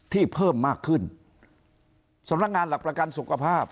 เพิ่มมากขึ้นสำนักงานหลักประกันสุขภาพ